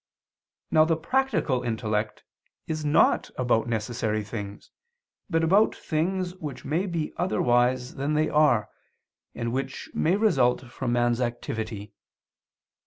Now the practical intellect is not about necessary things, but about things which may be otherwise than they are, and which may result from man's activity.